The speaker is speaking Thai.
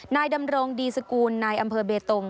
นายดำรงดีสกูลนายอำเภอเบตง